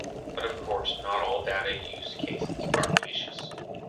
But of course, not all data use cases are vicious